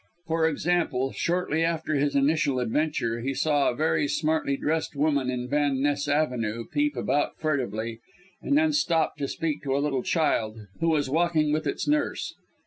For example, shortly after his initial adventure, he saw a very smartly dressed woman in Van Ness Avenue peep about furtively, and then stop and speak to a little child, who was walking with its nurse.